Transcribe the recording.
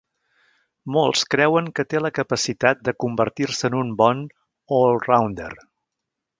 Molts creuen que té la capacitat de convertir-se en un bon "allrounder".